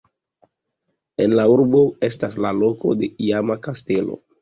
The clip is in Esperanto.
En la urbo estas la loko de iama kastelo.